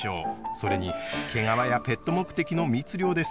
それに毛皮やペット目的の密猟です。